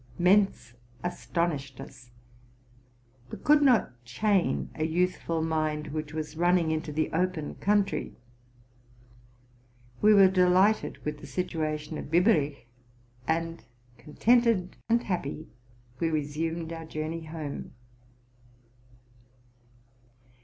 Mentz astonished us, but could not chain a youthful mind which was running into the open country ; we were delighted with the situation of Biberich; and, contented and happy, we re sumed our journey home.